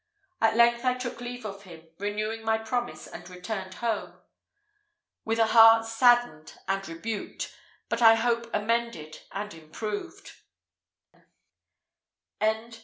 At length I took leave of him, renewing my promise, and returned home, with a heart saddened and rebuked, but I hope amended and improved.